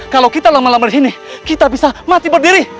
kalau kita lama lama di sini kita bisa mati berdiri